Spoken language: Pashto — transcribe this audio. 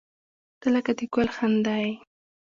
• ته لکه د ګل خندا یې.